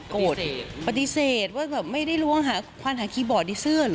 ปฏิเสธปฏิเสธว่าแบบไม่ได้ล้วงหาควานหาคีย์บอร์ดในเสื้อเหรอ